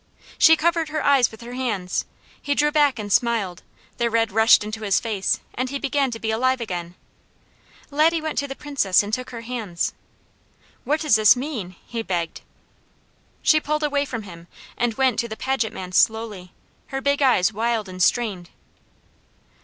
She covered her eyes with her hands. He drew back and smiled, the red rushed into his face, and he began to be alive again. Laddie went to the Princess and took her hands. "What does this mean?" he begged. She pulled away from him, and went to the Paget man slowly, her big eyes wild and strained.